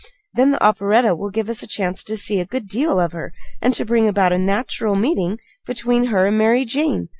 Then the operetta will give us a chance to see a good deal of her, and to bring about a natural meeting between her and Mary Jane.